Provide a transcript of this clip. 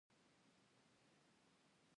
ایا زه باید د اپنډکس عملیات وکړم؟